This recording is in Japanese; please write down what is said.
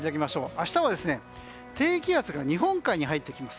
明日は低気圧が日本海に入ってきます。